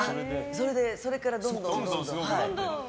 それからどんどん。